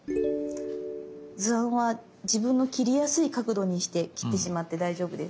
図案は自分の切りやすい角度にして切ってしまって大丈夫です。